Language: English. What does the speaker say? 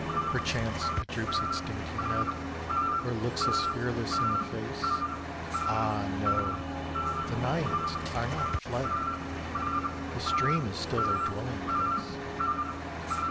Perchance it droops its dainty head, Or looks us fearless in the face, Ah, no, the naiads are not fled, The stream is still their dwelling place.